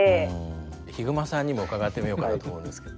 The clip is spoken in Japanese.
ヒグマさんにも伺ってみようかなと思うんですけど。